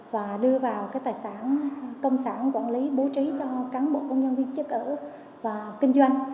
và đưa vào cái tài sản công sản quản lý bố trí cho cán bộ công nhân viên chức ở và kinh doanh